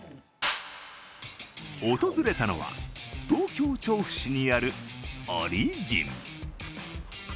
訪れたのは、東京・調布市にあるオリジン。